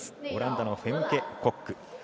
オランダのフェムケ・コック。